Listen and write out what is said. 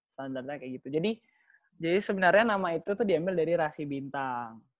standarnya kayak gitu jadi sebenarnya nama itu tuh diambil dari rahasi bintang